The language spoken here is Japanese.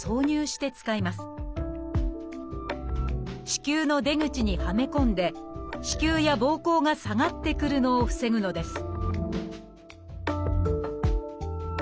子宮の出口にはめ込んで子宮やぼうこうが下がってくるのを防ぐのです